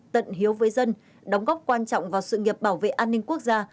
tận hiếu với dân đóng góp quan trọng vào sự nghiệp bảo vệ an ninh quốc gia